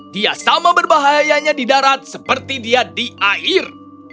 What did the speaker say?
dia sama berbahayanya di darat seperti dia di air